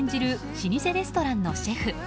老舗レストランのシェフ。